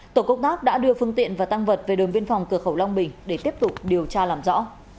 tổ công tác đã đưa phương tiện và tăng vật về đồn biên phòng cửa khẩu long bình để tiếp tục điều tra làm rõ